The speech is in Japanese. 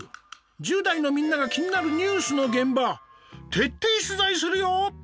１０代のみんなが気になるニュースの現場徹底取材するよ！